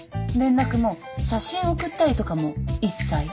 連絡も写真送ったりとかも一切？